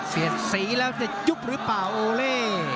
เสียดสีแล้วจะยุบหรือเปล่าโอเล่